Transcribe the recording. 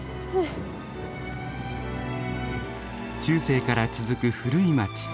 中世から続く古い街